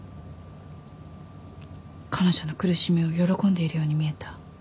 彼女の苦しみを喜んでいるように見えた。